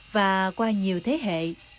và qua nhiều thế hệ